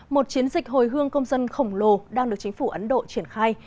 một chiến dịch hồi hương công dân khổng lồ đang được chính phủ ấn độ triển khai